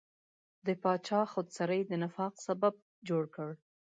د پاچا خودسرۍ د نفاق سبب جوړ کړ.